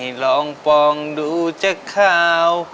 ใต้ลองปองดูจะเข้า